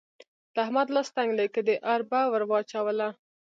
د احمد لاس تنګ دی؛ که دې اربه ور وچلوله.